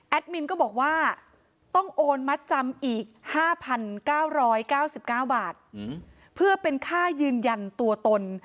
มินก็บอกว่าต้องโอนมัดจำอีก๕๙๙๙บาทเพื่อเป็นค่ายืนยันตัวตน